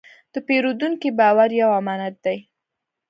د پیرودونکي باور یو امانت دی.